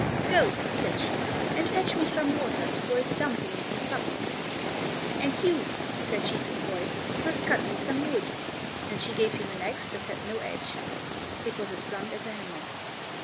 "Go," said she, "and fetch me some water to boil the dumplings for supper. And you," said she to the boy, "must cut me some wood," and she gave him an ax that had no edge. It was as blunt as a hammer.